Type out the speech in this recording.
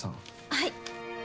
はい。